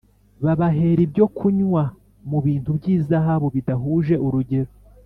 Babahera ibyokunywa mu bintu by’izahabu bidahuje urugero